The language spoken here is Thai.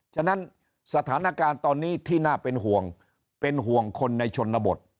ฉะนั้นสถานการณ์ตอนนี้ที่น่าเป็นห่วงเป็นห่วงคนในชนบท